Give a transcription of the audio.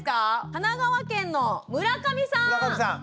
神奈川県の村上さん！